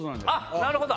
なるほど！